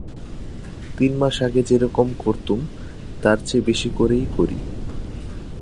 তিন মাস আগে যেরকম করে করতুম, আজ তার চেয়ে বেশি করেই করি।